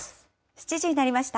７時になりました。